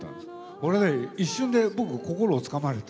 俺ね、一瞬で、僕、心をつかまれて。